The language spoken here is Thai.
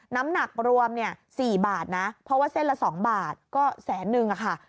น้ำหนักรวม๔บาทนะเพราะว่าเส้นละ๒บาทก็แสนนึงค่ะ